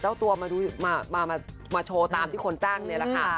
เจ้าตัวมาโชว์ตามที่คนจ้างนี่แหละค่ะ